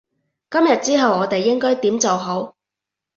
今日之後我哋應該點做好？